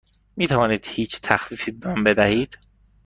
می توانید هیچ تخفیفی به من بدهید؟